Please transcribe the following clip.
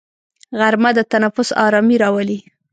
غرمه د تنفس ارامي راولي